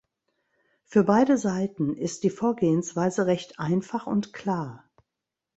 Für beide Seiten ist die Vorgehensweise recht einfach und klar.